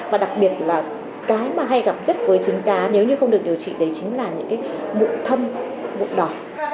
và đặc biệt là cái mà hay gặp nhất với chứng cá nếu như không được điều trị đấy chính là những cái mụn thâm mụn đỏ